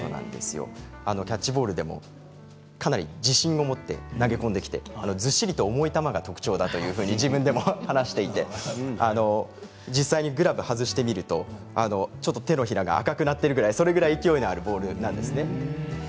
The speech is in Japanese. キャッチボールもかなり自信を持って投げ込んできてずっしりと重い球が特徴だと自分でも話していて実際にグラブを外してみるとちょっと手のひらが赤くなっているぐらい勢いがあるボールでした。